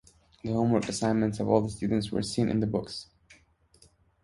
The homework assignments of all the students were seen in the books.